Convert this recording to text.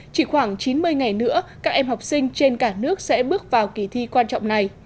chỉ khoảng chín mươi ngày nữa các em học sinh trên cả nước sẽ bước vào kỳ thi quan trọng này